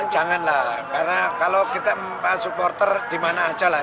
janganlah karena kalau kita supporter dimana aja lah